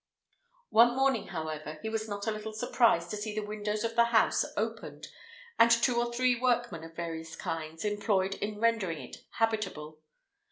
One morning, however, he was not a little surprised to see the windows of the house opened, and two or three workmen of various kinds employed in rendering it habitable.